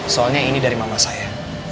soalnya ini dari mama saya